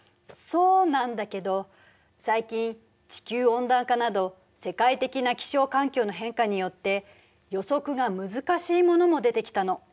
そうなんだけど最近地球温暖化など世界的な気象環境の変化によって予測が難しいものも出てきたの。